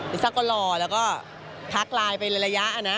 ซ่าก็รอแล้วก็ทักไลน์ไประยะนะ